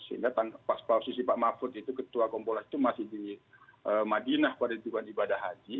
sehingga pas posisi pak mahfud itu ketua kompolnas itu masih di madinah pada tujuan ibadah haji